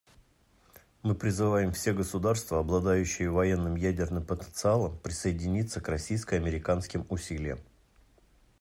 Мы призываем все государства, обладающие военным ядерным потенциалом, присоединиться к российско-американским усилиям.